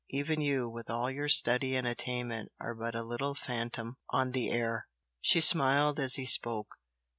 even you, with all your study and attainment are but a little phantom on the air!" She smiled as he spoke.